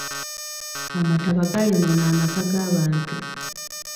Amataba gaayonoona amaka g'abantu.